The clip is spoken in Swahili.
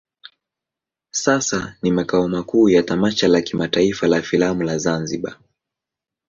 Sasa ni makao makuu ya tamasha la kimataifa la filamu la Zanzibar.